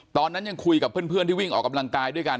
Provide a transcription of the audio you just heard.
ตอนนั้นยังคุยกับเพื่อนที่วิ่งออกกำลังกายด้วยกัน